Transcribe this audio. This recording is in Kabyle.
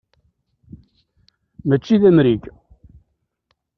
Mačči d amrig.